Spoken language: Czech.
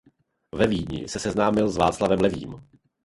Ve Vídni se seznámil s Václavem Levým.